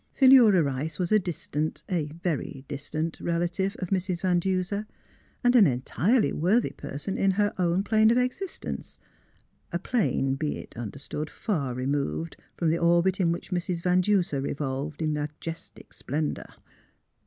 Philura Rice was a distant — a very distant — relative of Mrs. Van Duser; and an en tirely worthy person in her own plane of exist ence. A plane, be it understood, far removed from the orbit in w^hich Mrs. Van Duser revolved in majestic splendour.